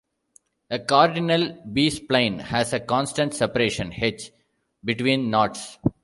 A cardinal B-spline has a constant separation, "h", between knots.